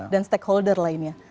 dan stakeholder lainnya